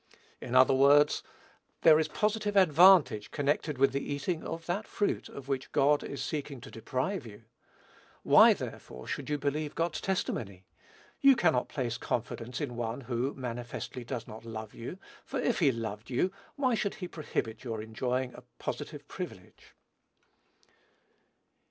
In other words, "There is positive advantage connected with the eating of that fruit of which God is seeking to deprive you; why, therefore, should you believe God's testimony? you cannot place confidence in one who, manifestly, does not love you; for, if he loved you, why should he prohibit your enjoying a positive privilege?"